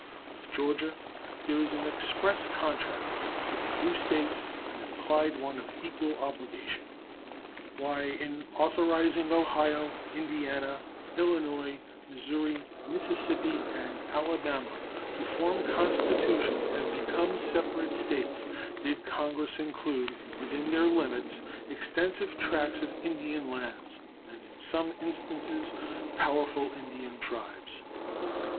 With Georgia there is an express contract; with the new States an implied one of equal obligation. Why, in authorizing Ohio, Indiana, Illinois, Missouri, Mississippi, and Alabama to form constitutions and become separate States, did Congress include within their limits extensive tracts of Indian lands, and, in some instances, powerful Indian tribes?